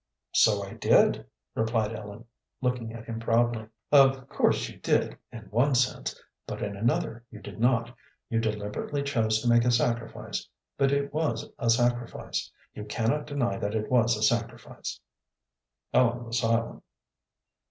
"So I did," replied Ellen, looking at him proudly. "Of course you did, in one sense, but in another you did not. You deliberately chose to make a sacrifice; but it was a sacrifice. You cannot deny that it was a sacrifice." Ellen was silent.